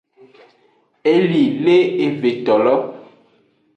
Eli le evetolo.